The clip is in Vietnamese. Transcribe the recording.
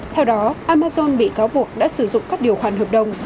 theo đó amazon bị cáo buộc đã sử dụng các điều khoản hợp đồng